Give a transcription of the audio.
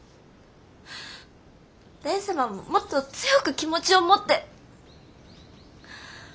蓮様ももっと強く気持ちを持って。